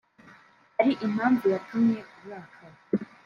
Hari impamvu yatumye urakara